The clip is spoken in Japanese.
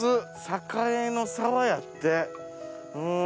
境の沢やってうん。